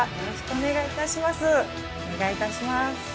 お願いいたします